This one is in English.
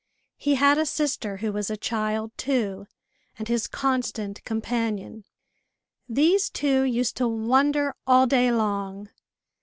He had a sister, who was a child too, and his constant companion. These two used to wonder all day long.